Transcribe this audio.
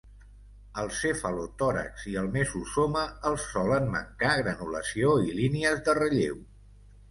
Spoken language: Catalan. Al cefalotòrax i el mesosoma els solen mancar granulació i línies de relleu.